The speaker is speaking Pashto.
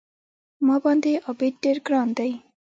ما باندې عابد ډېر ګران دی